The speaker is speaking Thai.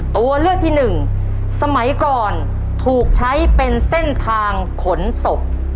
ตัวเลือกที่หนึ่งสมัยก่อนถูกใช้เป็นเส้นทางขนศพ